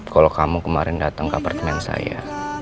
kalau kamu kemarin datang ke apartemen saya